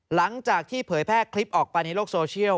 หลังจากที่เผยแพร่คลิปออกไปในโลกโซเชียล